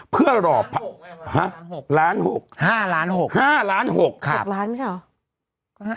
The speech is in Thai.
เพื่อหล่อห้าล้านหกห้าล้านหกห้าล้านหกห้าล้านหกห้าล้านหกห้าล้านหก